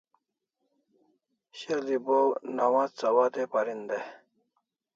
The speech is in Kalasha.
shel'i bo nawats awatai parin day